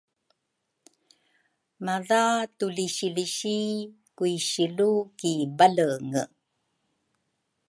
madha tulisilisi kui silu ki Balenge.